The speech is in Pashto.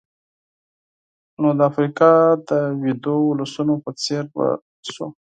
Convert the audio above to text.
نو د افریقا د ویدو ولسونو په څېر به شو.